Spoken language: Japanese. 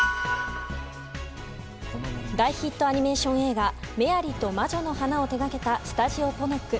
大ヒットアニメーション映画「メアリと魔女の花」を手掛けたスタジオポノック。